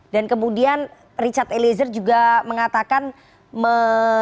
dan kemudian richard eliezer juga mengatakan menyerahkan